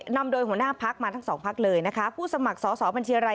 นำโดยหัวหน้าพักมาทั้งสองพักเลยนะคะผู้สมัครสอสอบัญชีอะไร